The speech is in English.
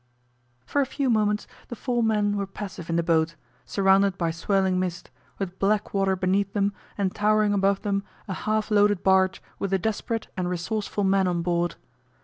For a few moments the four men were passive in the boat, surrounded by swirling mist, with black water beneath them, and towering above them a half loaded barge with a desperate and resourceful man on board.